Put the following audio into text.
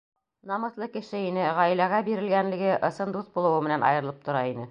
Намыҫлы кеше ине, ғаиләгә бирелгәнлеге, ысын дуҫ булыуы менән айырылып тора ине.